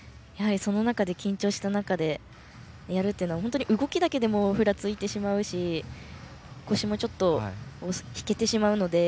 緊張した中でやるというのは動きだけでもふらついてしまうし腰もちょっと引けてしまうので。